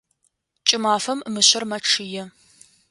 Кӏымафэм мышъэр мэчъые.